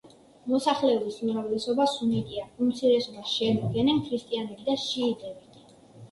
მოსახლეობის უმრავლესობა სუნიტია, უმცირესობას შეადგენენ ქრისტიანები და შიიტები.